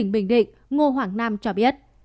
bình định ngô hoàng nam cho biết